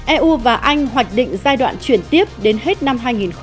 eu và anh hoạch định giai đoạn chuyển tiếp đến hết năm hai nghìn hai mươi